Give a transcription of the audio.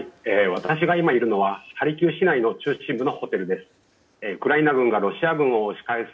私が今いるのはハルキウ市内の中心部のホテルです。